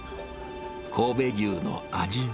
神戸牛の味は？